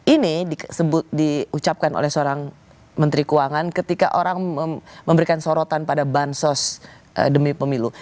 ini diucapkan oleh seorang menteri keuangan ketika orang memberikan sorotan pada bansos demi pemilu